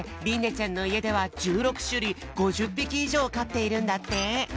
ちゃんのいえでは１６しゅるい５０ぴきいじょうかっているんだって。